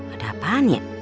ada apaan ya